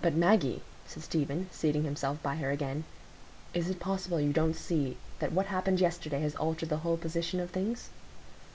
"But, Maggie," said Stephen, seating himself by her again, "is it possible you don't see that what happened yesterday has altered the whole position of things?